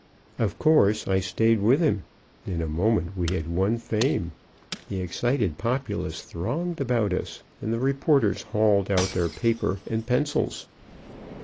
Of course, I stayed with him; in a moment we had won fame. The excited populace thronged about us, and the reporters hauled out their paper and pencils.